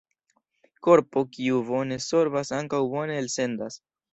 Korpo kiu bone sorbas ankaŭ bone elsendas.